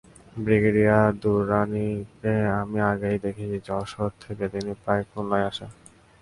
Brigadier দুররানিকে আমি আগেও দেখেছি, যশোর থেকে তিনি প্রায়ই খুলনা আসেন।